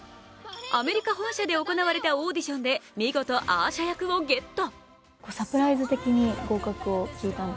アメリカ本社で行われたオーディションで見事、アーシャ役をゲット。